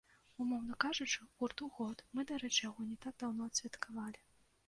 Умоўна кажучы, гурту год, мы, дарэчы, яго не так даўно адсвяткавалі.